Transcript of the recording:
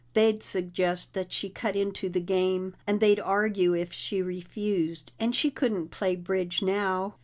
They'd suggest that she cut into the game, and they'd argue if she refused, and she couldn't play bridge now!